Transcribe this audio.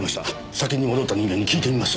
先に戻った人間に聞いてみます。